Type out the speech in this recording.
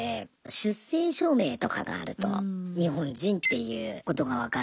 出生証明とかがあると日本人っていうことが分かるのでいいんですけど。